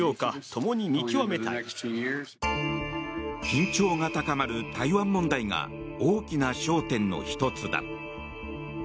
緊張が高まる台湾問題が大きな焦点の１つだ。